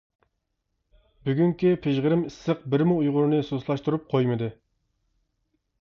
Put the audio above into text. بۈگۈنكى پىژغىرىم ئىسسىق بىرمۇ ئۇيغۇرنى سۇسلاشتۇرۇپ قويمىدى.